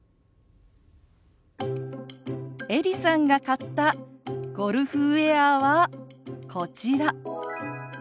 エリさんが買ったゴルフウエアはこちら。